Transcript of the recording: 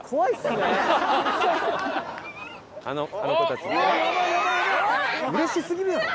うれしすぎるやろ。